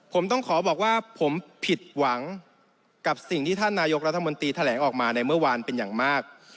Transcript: ผมต้องขอบอกว่าผมผิดหวังกับสิ่งที่ท่านนายกรัฐมนตรีแถลงออกมาในเมื่อวานเป็นอย่างมาก